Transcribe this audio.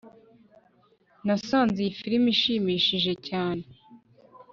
nasanze iyi firime ishimishije cyane